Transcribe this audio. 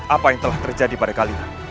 apa yang telah terjadi pada kali ini